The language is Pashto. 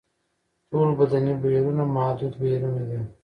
ټول بدني بهیرونه محدود بهیرونه دي.